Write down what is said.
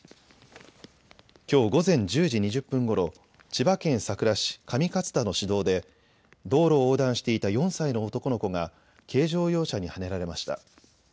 きょう午前１０時２０分ごろ千葉県佐倉市上勝田の市道で道路を横断していた４歳の男の子が、軽乗用車にはねられました。